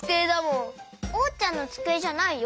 おうちゃんのつくえじゃないよ。